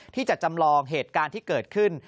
ที่จะจำลองเหตุการณ์ที่เกิดขึ้น